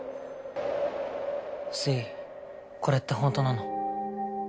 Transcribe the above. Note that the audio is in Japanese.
スイこれって本当なの？